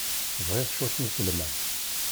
Bɣiɣ cwiṭ n yiselman.